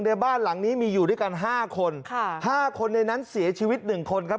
ในบ้านหลังนี้มีอยู่ด้วยกันห้าคนค่ะห้าคนในนั้นเสียชีวิตหนึ่งคนครับ